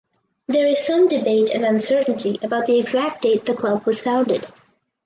There is some debate and uncertainty about the exact date the club was founded.